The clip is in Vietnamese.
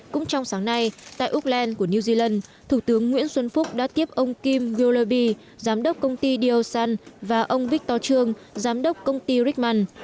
cũng trong sáng nay tại auckland của new zealand thủ tướng nguyễn xuân phúc đã tiếp ông kim gullaby giám đốc công ty diosan và ông victor truong giám đốc công ty rickman